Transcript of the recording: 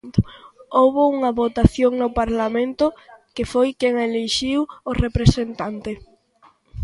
Houbo unha votación no Parlamento, que foi quen elixiu o representante.